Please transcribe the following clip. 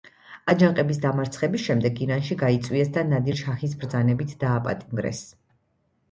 აჯანყების დამარცხების შემდეგ ირანში გაიწვიეს და ნადირ-შაჰის ბრძანებით დააპატიმრეს.